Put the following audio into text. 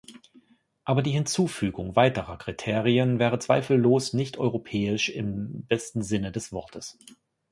Aber die Hinzufügung weiterer Kriterien wäre zweifellos nicht europäisch im besten Sinne des Wortes.